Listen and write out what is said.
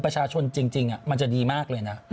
ประชาชนจริงมันจะดีมากเลยนะ